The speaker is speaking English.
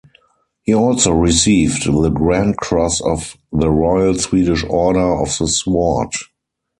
He also received the Grand Cross of the Royal Swedish Order of the Sword.